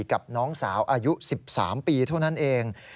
กับน้องสาวอายุ๑๓ปีเท่านั้นเอง